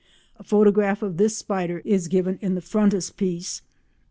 A photograph of this spider is given in the Frontispiece.